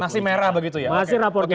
masih merah begitu ya masih rapornya merah